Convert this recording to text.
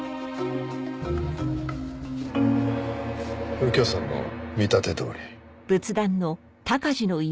右京さんの見立てどおり。